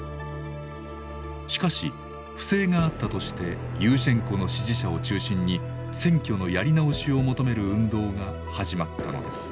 しかし不正があったとしてユーシェンコの支持者を中心に選挙のやり直しを求める運動が始まったのです。